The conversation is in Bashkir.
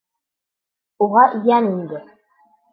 Уға йән инде.